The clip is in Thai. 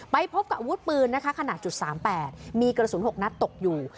พบกับอาวุธปืนนะคะขนาด๓๘มีกระสุน๖นัดตกอยู่